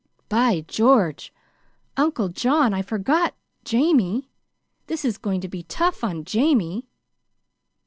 "By George! Uncle John, I forgot Jamie. This is going to be tough on Jamie!"